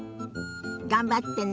頑張ってね。